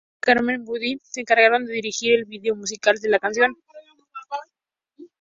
Mars y Cameron Buddy se encargaron de dirigir el vídeo musical de la canción.